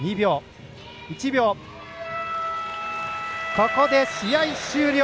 ここで試合終了！